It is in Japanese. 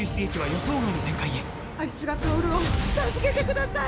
あいつが薫を助けてください！